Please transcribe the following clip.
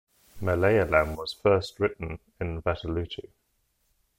Malayalam was first written in Vatteluttu.